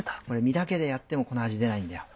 身だけでやってもこの味出ないんだよ。